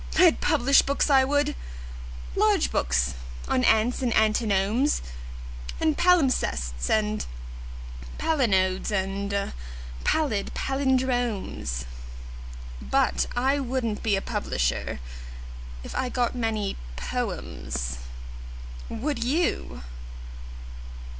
I'd publish books, I would large books on ants and antinomes And palimpsests and palinodes and pallid pallindromes: But I wouldn't be a publisher if .... I got many "pomes." Would you?